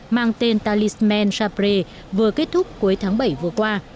mang tên talisman sabre vừa kết thúc cuối tháng bảy vừa qua